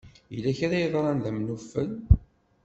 Yella kra i d-yeḍran d amnufel?